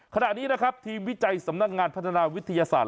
ขณะนี้นะครับทีมวิจัยสำนักงานพัฒนาวิทยาศาสต